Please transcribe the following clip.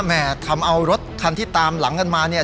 แม่ทำเอารถคันที่ตามหลังกันมาเนี่ย